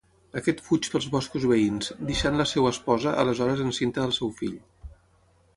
Aquest fuig pels boscos veïns, deixant la seva esposa, aleshores encinta del seu fill.